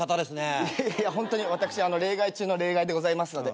いやいやホントに私例外中の例外でございますので。